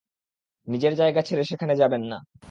নিজের জায়গা ছেড়ে সেখানে যাবেননা।